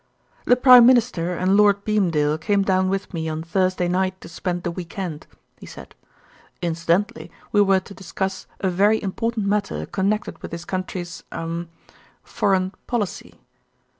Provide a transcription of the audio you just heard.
"The Prime Minister and Lord Beamdale came down with me on Thursday night to spend the weekend," he said. "Incidentally we were to discuss a very important matter connected with this country's er foreign policy."